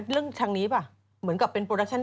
ทางนี้ป่ะเหมือนกับเป็นโปรดักชั่น